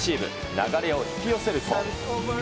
流れを引き寄せると。